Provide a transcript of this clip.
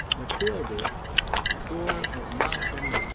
Matilda, daughter of Malcolm III.